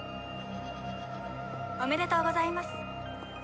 おめでとうございます。